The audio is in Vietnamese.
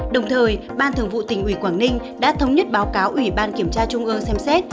đồng thời ban thường vụ tỉnh ủy quảng ninh đã thống nhất báo cáo ủy ban kiểm tra trung ương xem xét